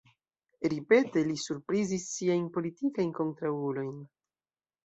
Ripete li surprizis siajn politikajn kontraŭulojn.